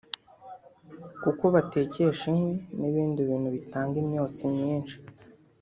kuko batekesha inkwi n’ibindi bintu bitanga imyotsi myinshi